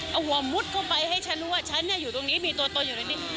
เอาหัวมุดเข้าไปให้ฉันรู้ว่าฉันอยู่ตรงนี้มีตัวตนอยู่ในนี้